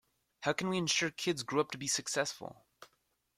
How can we ensure our kids grow up to be successful?